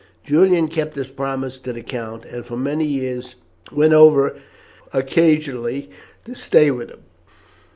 Julian kept his promise to the count, and for many years went over occasionally to stay with him.